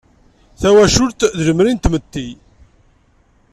Tawacult, d lemri n tmetti.